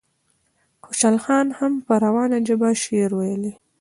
خوشحال خان هم په روانه ژبه شعر ویلی.